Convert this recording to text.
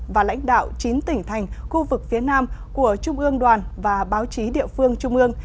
và lãnh đạo chín tỉnh thành khu vực phía nam của trung ương đoàn và báo chí địa phương trung ương